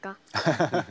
ハハハハハ。